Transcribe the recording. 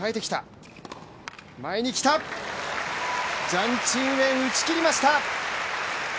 ジャン・チンウェン、打ち切りました。